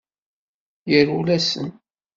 Yerwel-asen.